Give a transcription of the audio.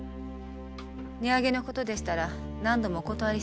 値上げのことでしたら何度もお断りしたはずです。